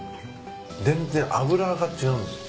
全然脂が違うんです。